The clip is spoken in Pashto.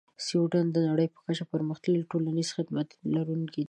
سویدن د نړۍ په کچه د پرمختللې ټولنیزې خدمتونو لرونکی دی.